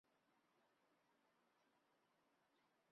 矮假龙胆为龙胆科假龙胆属下的一个种。